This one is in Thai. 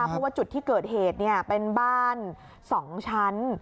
เพราะว่าจุดที่เกิดเหตุเป็นบ้าน๒ชั้น